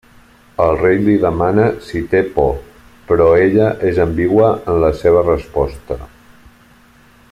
El rei li demana si té por però ella és ambigua en la seva resposta.